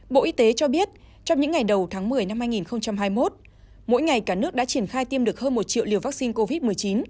bộ y tế cho biết trong những ngày đầu tháng một mươi năm hai nghìn hai mươi một mỗi ngày cả nước đã triển khai tiêm được hơn một triệu liều vaccine covid một mươi chín